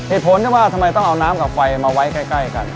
เหตุผลที่ว่าทำไมต้องเอาน้ำกับไฟมาไว้ใกล้กัน